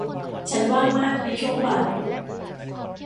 ฉันว่างมากในช่วงบ่าย